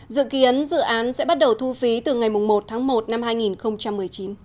dự kiến dự án sẽ bắt đầu thu phí từ ngày một tháng một năm hai nghìn một mươi chín